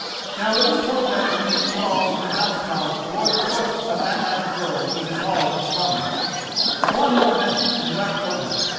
Now it is told that when his thralls and house carles bore the corpse of Atli the Earl to his hall in Straumey, Swanhild met it and wept over it.